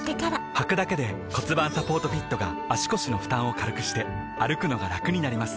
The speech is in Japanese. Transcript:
はくだけで骨盤サポートフィットが腰の負担を軽くして歩くのがラクになります